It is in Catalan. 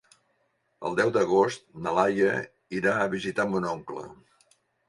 El deu d'agost na Laia irà a visitar mon oncle.